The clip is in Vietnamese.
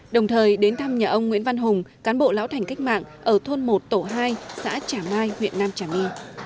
đồng thời đến thăm nhà ông nguyễn văn hùng cán bộ lão thành cách mạng ở thôn một tổ hai xã trà mai huyện nam trà my